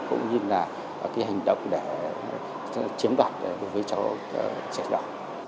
cũng như là cái hành động để chiếm đoạt đối với cháu trẻ nhỏ